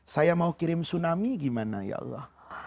saya mau kirim tsunami gimana ya allah